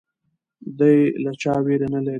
دی له چا ویره نه لري.